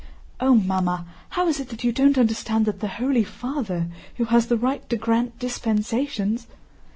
"Oh, Mamma, how is it you don't understand that the Holy Father, who has the right to grant dispensations..."